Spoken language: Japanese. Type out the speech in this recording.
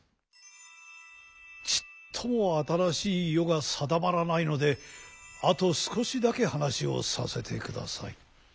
ちっとも新しい世が定まらないのであと少しだけ話をさせてください。